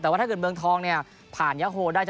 แต่ว่าถ้าเกิดเมืองทองเนี่ยผ่านยาโฮได้